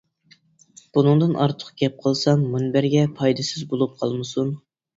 بۇنىڭدىن ئارتۇق گەپ قىلسام مۇنبەرگە پايدىسىز بولۇپ قالمىسۇن!